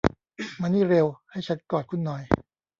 มานี่เร็ว ให้ฉันกอดคุณหน่อย